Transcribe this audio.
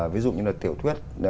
ví dụ như là tiểu thuyết